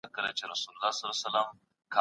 د هر قطعي حرام عمل په پيل کي بسم الله ويل کفر دی.